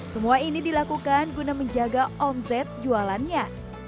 semua ini dilakukan guna menjaga omset jualannya